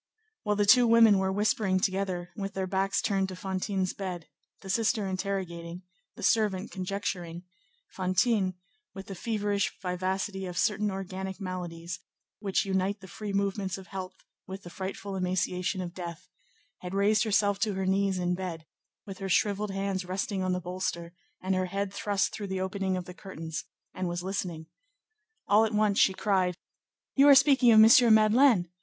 While the two women were whispering together, with their backs turned to Fantine's bed, the sister interrogating, the servant conjecturing, Fantine, with the feverish vivacity of certain organic maladies, which unite the free movements of health with the frightful emaciation of death, had raised herself to her knees in bed, with her shrivelled hands resting on the bolster, and her head thrust through the opening of the curtains, and was listening. All at once she cried:— "You are speaking of M. Madeleine!